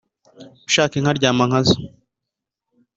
Ushaka inka aryama nka zo.